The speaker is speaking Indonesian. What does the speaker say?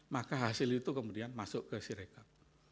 maka hasil itu kemudian masuk ke sirekap